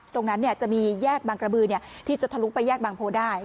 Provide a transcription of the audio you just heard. ตรงนั้นจะมีแยกบางกระบือที่จะทะลุไปแยกบางโพได้